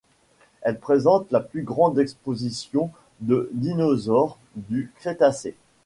Elle présente la plus grande exposition de dinosaures du Crétacé.